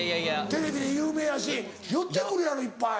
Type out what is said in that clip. テレビで有名やし寄ってくるやろいっぱい。